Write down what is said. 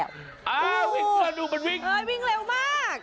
วิ่งเร็วมาก